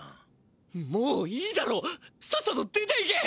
もういいだろうさっさと出ていけ！